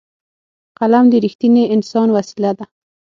قلم د رښتیني انسان وسېله ده